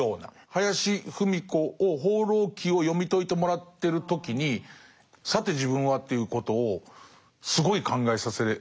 林芙美子を「放浪記」を読み解いてもらってる時に「さて自分は？」ということをすごい考えさせられましたね。